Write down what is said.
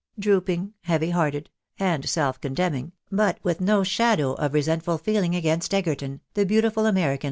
Droop ing, heavy hearted, and self condemning, but with no shadow of resentful feehng against Egerton, the beautiful American laid her MRS.